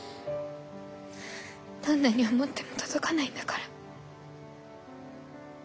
どんなに思っても届かないんだから。